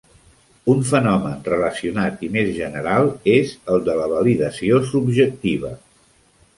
Un fenomen relacionat i més general és el de la validació subjectiva.